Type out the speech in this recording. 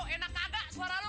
enak kagak suara lu